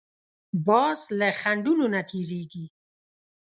باز له خنډونو نه تېرېږي